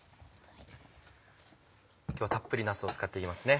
今日はたっぷりなすを使っていきますね。